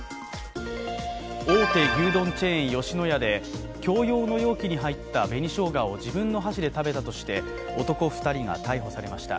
大手牛丼チェーン、吉野家で共用の容器に入った紅しょうがを自分の箸で食べたとして男２人が逮捕されました。